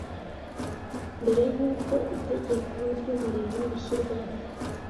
Mbere y’uko itegeko ry’umurimo rishyirwaho